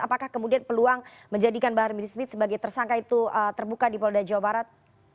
apakah kemudian peluang menjadikan bahar bin smith sebagai tersangka itu terbuka di polda jawa barat